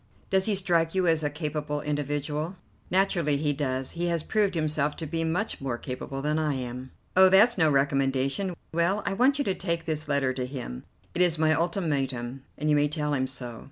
"Does he strike you as a capable individual?" "Naturally he does. He has proved himself to be much more capable than I am." "Oh, that's no recommendation. Well, I want you to take this letter to him; it is my ultimatum, and you may tell him so.